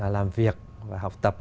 làm việc và học tập